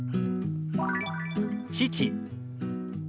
「父」。